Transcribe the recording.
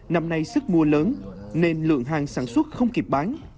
năm nay sức mua lớn nên lượng hàng sản xuất không kịp bán